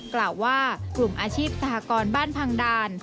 กล่าวว่ากลุ่มอาชีพสหกรณ์บ้านพังดาน